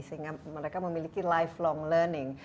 sehingga mereka memiliki lifelong learning